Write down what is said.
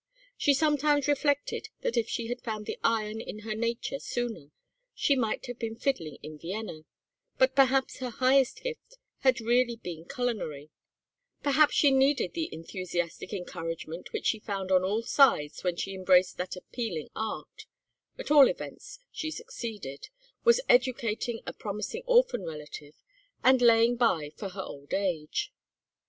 She sometimes reflected that if she had found the iron in her nature sooner she might have been fiddling in Vienna; but perhaps her highest gift had really been culinary, perhaps she needed the enthusiastic encouragement which she found on all sides when she embraced that appealing art; at all events she succeeded, was educating a promising orphan relative, and laying by for her old age.